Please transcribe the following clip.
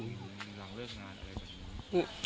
หลังเลิกงานอะไรแบบนี้